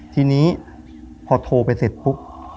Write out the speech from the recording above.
ทีนี้พอโทรไปเสร็จปุ๊บ